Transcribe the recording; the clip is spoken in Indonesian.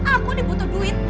aku nih butuh duit